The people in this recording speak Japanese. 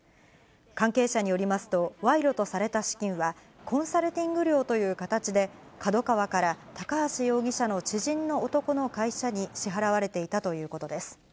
関係者によりますと、賄賂とされた資金は、コンサルティング料という形で、ＫＡＤＯＫＡＷＡから高橋容疑者の知人の男の会社に支払われていたということです。